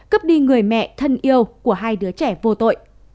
cướp đi người mẹ thân yêu của hai đứa trẻ vô tội